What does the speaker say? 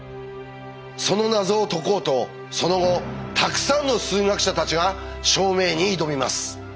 その謎を解こうとその後たくさんの数学者たちが証明に挑みます。